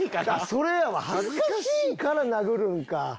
それやわ恥ずかしいから殴るんか。